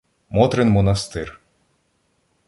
Мотрин монастир.